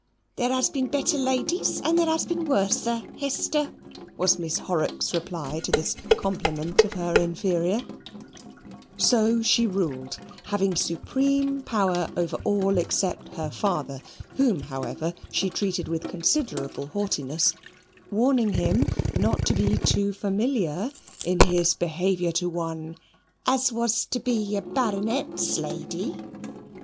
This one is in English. "There has been better ladies, and there has been worser, Hester," was Miss Horrocks' reply to this compliment of her inferior; so she ruled, having supreme power over all except her father, whom, however, she treated with considerable haughtiness, warning him not to be too familiar in his behaviour to one "as was to be a Baronet's lady."